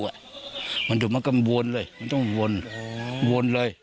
อ่ะมันก็วนเลยมันต้องวน